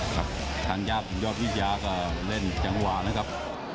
ครับทางญาติยอดวิทยาก็เล่นจังหวะนะครับ